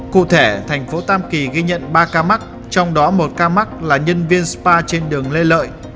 cụ thể thành phố tam kỳ ghi nhận ba ca mắc trong đó một ca mắc là nhân viên spa trên đường lê lợi